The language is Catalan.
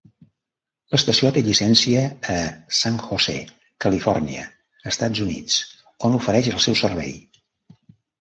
L'estació té llicència a San Jose, Califòrnia, Estats Units, on ofereix el seu servei.